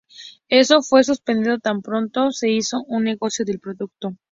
Esto fue suspendido tan pronto se hizo un negocio del producto.